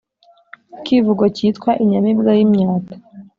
Ikivugo cyitwa Inyamibwa y’imyato